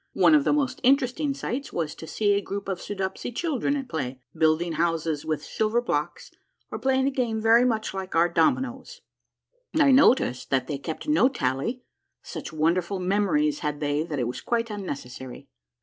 One of the most interesting sights was to see a group of Soodopsy children at play, building houses with silver blocks, or playing a game very much like our dominoes. 124 A MARVELLOUS UNDERGROUND JOURNEY I noticed that they kept no tally, such wonderful memories had they that it was quite unnecessary.